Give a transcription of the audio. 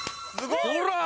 ほら！